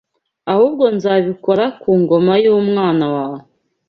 ahubwo nzabikora ku ngoma y’umwana wawe